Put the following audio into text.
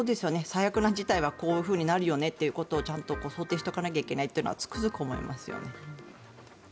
最悪の事態はこういうふうになるよねということをちゃんと想定しておかないといけないというのはつくづく思いますよね。